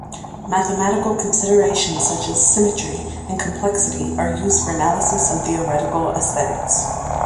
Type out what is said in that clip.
Mathematical considerations, such as symmetry and complexity, are used for analysis in theoretical aesthetics.